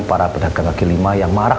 para pedagang kaki lima yang marah